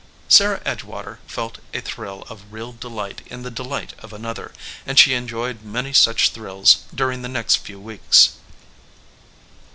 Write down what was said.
Sarah Edgewater felt a thrill of real delight in the delight of another, and she enjoyed many such thrills during the next few weeks.